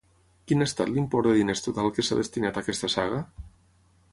Quin ha estat l'import de diners total que s'ha destinat a aquesta saga?